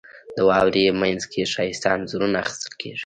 • د واورې مینځ کې ښایسته انځورونه اخیستل کېږي.